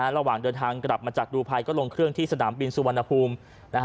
ระหว่างเดินทางกลับมาจากดูภัยก็ลงเครื่องที่สนามบินสุวรรณภูมิ